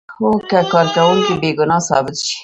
هو که کارکوونکی بې ګناه ثابت شي.